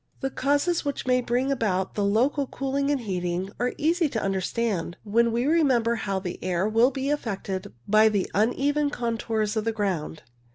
The causes which may bring about the local cooling and heating are easy to understand when we remember how the air will be affected by the uneven contours of the ground.